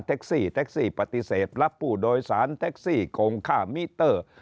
แท็กซี่แท็กซี่ปฏิเสธรับผู้โดยสารแท็กซี่โกงค่ามิเตอร์